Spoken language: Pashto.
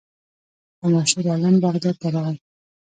یو مشهور عالم بغداد ته راغی.